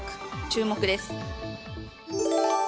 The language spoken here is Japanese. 注目です。